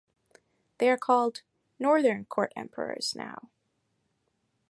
They are called "Northern Court Emperors" now.